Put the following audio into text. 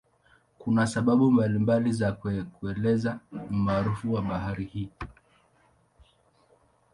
Kuna sababu mbalimbali za kuelezea umaarufu wa bahari hii.